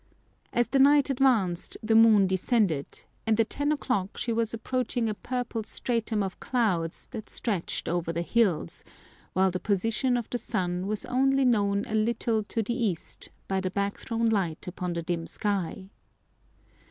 As the night advanced the moon descended, and at ten o'clock she was approaching a purple stratum of clouds that stretched over the hills, while the position of the sun was only known a little to the east, by the back thrown light upon the dim sky.